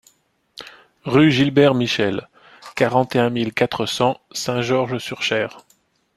Rue Gilbert Michel, quarante et un mille quatre cents Saint-Georges-sur-Cher